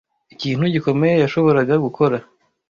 ikintu gikomeye yashoboraga gukora